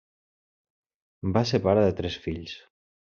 Va ser pare de tres fills.